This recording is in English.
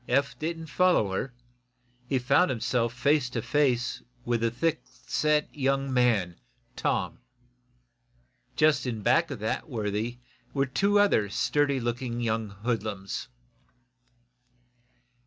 Eph didn't follow her. He found himself face to face with the thick set young man, Tom. Just of that worthy were two other sturdy looking young hoodlums.